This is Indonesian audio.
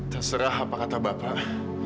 terserah apa kata bapak